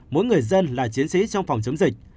mỗi người dân là chiến sĩ trong phòng chống dịch